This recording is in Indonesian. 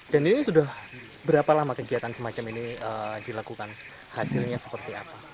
dan ini sudah berapa lama kegiatan semacam ini dilakukan hasilnya seperti apa